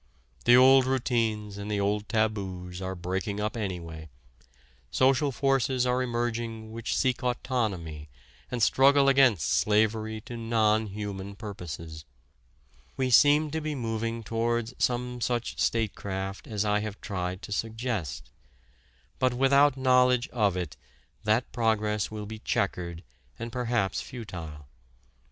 The old routines and the old taboos are breaking up anyway, social forces are emerging which seek autonomy and struggle against slavery to non human purposes. We seem to be moving towards some such statecraft as I have tried to suggest. But without knowledge of it that progress will be checkered and perhaps futile.